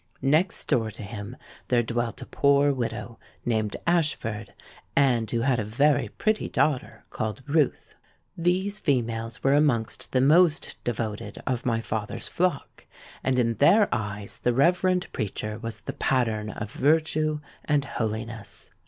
Next door to him there dwelt a poor widow, named Ashford, and who had a very pretty daughter called Ruth. These females were amongst the most devoted of my father's flock; and in their eyes the reverend preacher was the pattern of virtue and holiness.